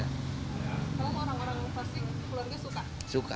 kalau orang orang pasik keluarga suka